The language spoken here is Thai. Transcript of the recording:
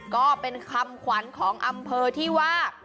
ก็เป็นคำขวัญของอำเภอที่ว่า